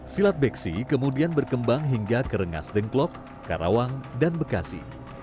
silat beksi kemudian berkembang hingga ke rengas dengklok karawang dan bekasi